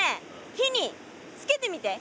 火につけてみて。